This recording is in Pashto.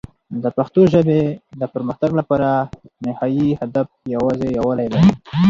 د پښتو ژبې د پرمختګ لپاره نهایي هدف یوازې یووالی دی.